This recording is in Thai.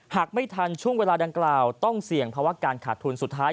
หากไม่ทันช่วงเวลาดังกล่าวต้องเสี่ยงภาวะการขาดทุนสุดท้าย